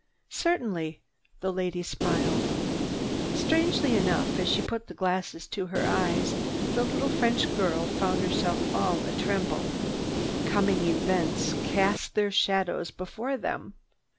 "Certainly." The lady smiled. Strangely enough, as she put the glass to her eyes, the little French girl found herself all atremble. "Coming events cast their shadows before them."